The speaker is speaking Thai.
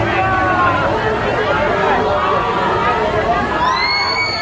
ลดทางอ่าอาโมสตั้งแหลกนะครับนะครับแล้วอ๋อ